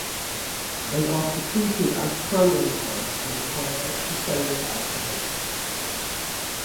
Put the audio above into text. They are secreted as proenzymes and require extracellular activation.